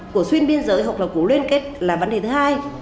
của xuyên biên giới hoặc là của liên kết là vấn đề thứ hai